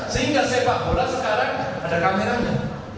sehingga sepak bola sekarang ada kameranya